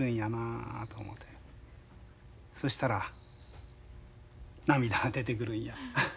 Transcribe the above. そしたら涙が出てくるんや。